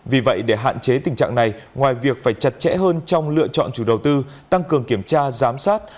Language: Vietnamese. vì vậy để hạn chế tình trạng này ngoài việc phải chặt chẽ hơn trong lựa chọn chủ đầu tư tăng cường kiểm tra giám sát